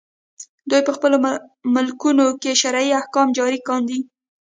دوی په خپلو ملکونو کې شرعي احکام جاري کاندي.